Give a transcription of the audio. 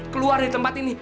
keluar dari tempat ini